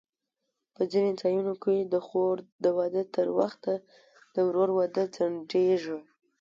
په ځینو ځایونو کې د خور د واده تر وخته د ورور واده ځنډېږي.